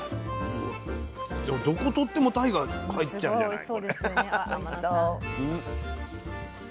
じゃあどこ取ってもたいが入っちゃうじゃないこれ。